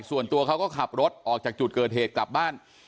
ส่วนตัวเขาก็ขับรถออกจากจุดเกิดเหตุกลับบ้าน